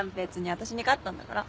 私に勝ったんだから。